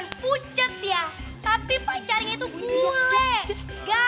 nggodain reva terus boy